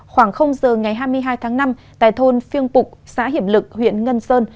khoảng giờ ngày hai mươi hai tháng năm tại thôn phiêng phục xã hiểm lực huyện ngân sơn